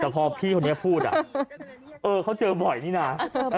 แต่พอพี่คนนี้พูดเขาเจอบ่อยนี่นะ